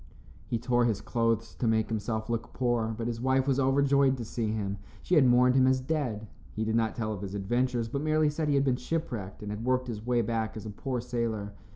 He tore his clothes to make himself look poor, but his wife was overjoyed to see him. She had mourned him as dead. He did not tell of his adventures, but merely said he had been ship wrecked and had worked his way back as a poor sailor.